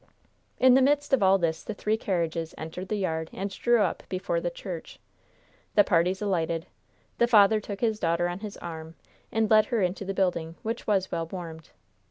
In the midst of all this the three carriages entered the yard and drew up before the church. The parties alighted. The father took his daughter on his arm and led her into the building, which was well warmed.